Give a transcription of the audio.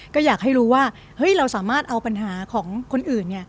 ก็อยากให้รู้ว่าเราสามารถเอาปัญหาของคนอื่น